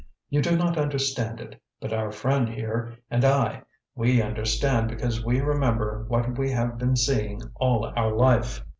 You do not understand it, but our friend here, and I, we understand because we remember what we have been seeing all our life.